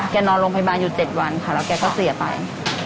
นอนโรงพยาบาลอยู่๗วันค่ะแล้วแกก็เสียไป